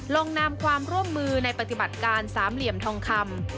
ลงนามความร่วมมือในปฏิบัติการสามเหลี่ยมทองคำ